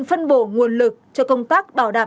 phân bổ nguồn lực cho công tác bảo đạp